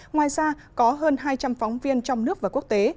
ngoài ra có hơn hai trăm linh phóng viên trong nước và quốc tế